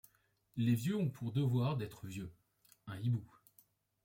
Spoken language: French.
Les vieux ont pour devoir d'être vieux. Un hibou